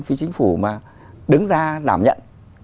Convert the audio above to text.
phi chính phủ mà đứng ra đảm nhận